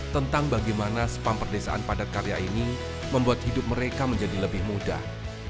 tentang bagaimana spam perdesaan padat karya ini membuat hidup mereka menjadi lebih mudah